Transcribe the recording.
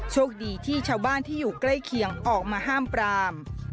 โชคดีที่ชาวบ้านที่อยู่ใกล้เคียงออกมาห้ามปราม